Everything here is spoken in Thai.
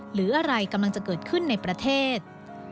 หรืออะไรกำลังจะเกิดขึ้นในประเทศ